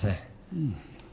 うん。